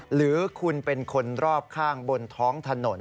หรือคุณเป็นคนรอบข้างบนท้องถนน